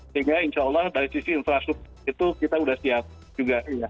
sehingga insya allah dari sisi infrastruktur itu kita sudah siap juga